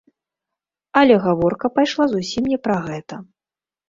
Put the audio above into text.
Але гаворка пайшла зусім не пра гэта.